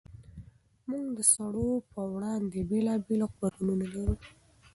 موږ د سړو پر وړاندې بېلابېل غبرګونونه لرو.